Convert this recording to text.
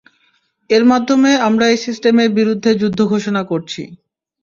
এর মাধ্যমে আমরা এই সিস্টেমের বিরুদ্ধে যুদ্ধ ঘোষণা করছি।